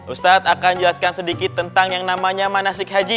ustadz akan jelaskan sedikit tentang yang namanya manasik haji